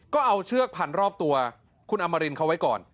ก็เอาเชือกพันรอบตัวคุณอมรินเขาไว้ก่อน